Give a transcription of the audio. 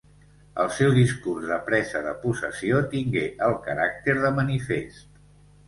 El seu discurs de presa de possessió tingué el caràcter de manifest.